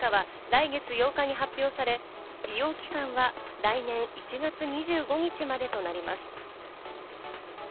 抽選結果は来月８日に発表され、利用期間は来年１月２５日までとなります。